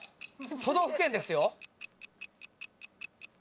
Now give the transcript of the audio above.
都道府県ですよ。